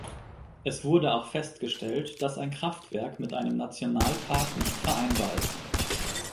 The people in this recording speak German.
Es wurde auch festgestellt, dass ein Kraftwerk mit einem Nationalpark nicht vereinbar ist.